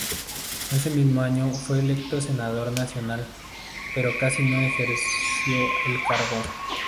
Ese mismo año fue electo senador nacional, pero casi no ejerció el cargo.